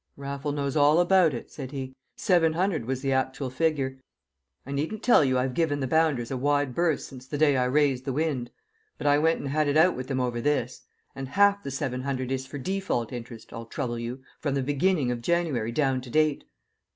"Raffles knows all about it," said he. "Seven hundred was the actual figure. I needn't tell you I have given the bounders a wide berth since the day I raised the wind; but I went and had it out with them over this. And half the seven hundred is for default interest, I'll trouble you, from the beginning of January down to date!"